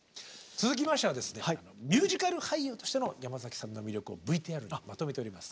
続きましてはですねミュージカル俳優としての山崎さんの魅力をＶＴＲにまとめております